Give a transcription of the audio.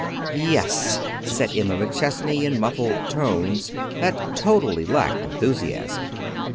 "Yes," said Emma McChesney, in muffled tones that totally lacked enthusiasm.